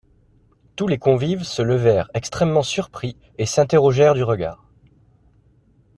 Tous les convives se levèrent extrêmement surpris et s’interrogèrent du regard.